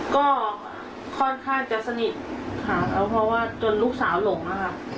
ก็ค่อนข้างจะสนิทค่ะแล้วเพราะว่าจนลูกสาวหลงอะค่ะ